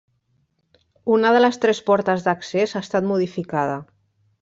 Una de les tres portes d'accés ha estat modificada.